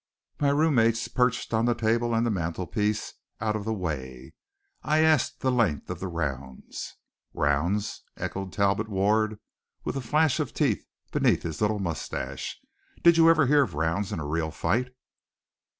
My roommates perched on the table and the mantelpiece out of the way. I asked the length of the rounds. "Rounds!" echoed Talbot Ward with a flash of teeth beneath his little moustache. "Did you ever hear of rounds in a real fight?"